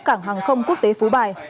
cảng hàng không quốc tế phú bài